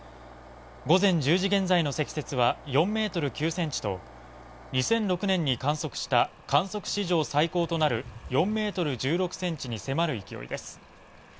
午前１０時現在の積雪は４メートル９センチと２００６年に観測した観測史上最高となる４メートル１６センチに迫る勢いです